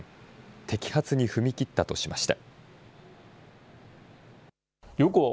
摘発に踏み切ったとしました。